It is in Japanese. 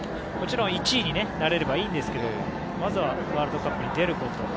もちろん１位になれればいいんですけどもまずはワールドカップに出ること